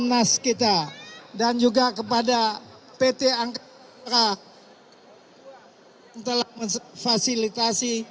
terima kasih kepada kita dan juga kepada pt angkara yang telah memfasilitasi